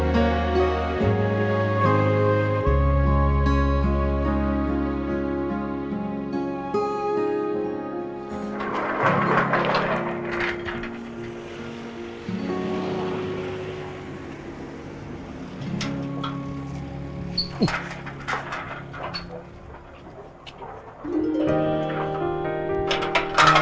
badannya mana masam